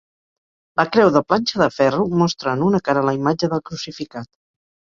La creu, de planxa de ferro, mostra en una cara la imatge del crucificat.